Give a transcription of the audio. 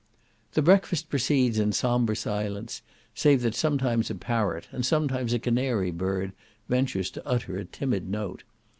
The breakfast proceeds in sombre silence, save that sometimes a parrot, and sometimes a canary bird, ventures to utter a timid note.